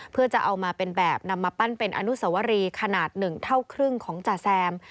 เพื่อจะเอามาเป็นแบบนำมาปั้นเป็นอนุสวรีขนาด๑เท่าครึ่งของจ่าแซม